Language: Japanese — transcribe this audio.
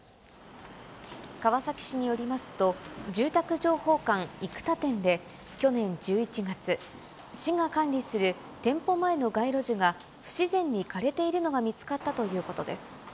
川崎市によりますと、住宅情報館生田店で去年１１月、市が管理する店舗前の街路樹が不自然に枯れているのが見つかったということです。